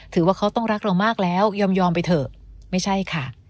ถือว่าเขาต้องรักเรามากแล้วยอมไปเถอะไม่ใช่ค่ะ